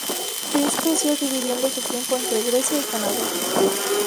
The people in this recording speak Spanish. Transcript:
Chris creció dividiendo su tiempo entre Grecia y Canadá.